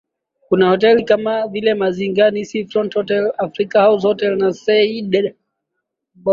Kuna hoteli kama vile Mizingani Seafront Hotel Africa House Hotel na Seyyida Hotel